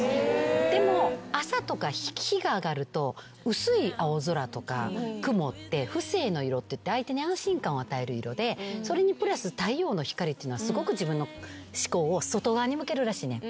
でも朝とか日が上がると薄い青空とか雲って父性の色っていって相手に安心感を与える色でそれにプラス太陽の光ってすごく自分の思考を外側に向けるらしいねん。